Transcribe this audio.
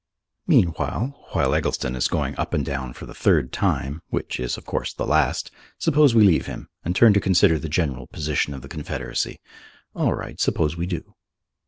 Meanwhile while Eggleston is going up and down for the third time, which is of course the last suppose we leave him, and turn to consider the general position of the Confederacy. All right: suppose we do.